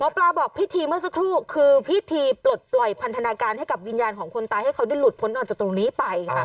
ปลาบอกพิธีเมื่อสักครู่คือพิธีปลดปล่อยพันธนาการให้กับวิญญาณของคนตายให้เขาได้หลุดพ้นออกจากตรงนี้ไปค่ะ